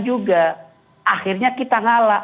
juga akhirnya kita ngalah